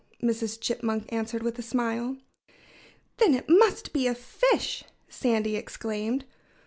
Mrs. Chipmunk answered with a smile. "Then it must be a fish!" Sandy exclaimed.